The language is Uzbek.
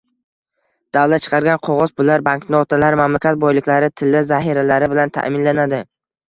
Davlat chiqargan qog‘oz pullar – banknotalar mamlakat boyliklari, tilla zahiralari bilan taʼminlanadi.